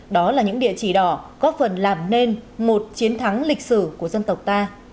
đó là những địa chỉ đỏ góp phần làm nên một chiến thắng lịch sử của dân tộc ta